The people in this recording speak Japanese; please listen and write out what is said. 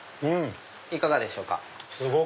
いかがでしょうか？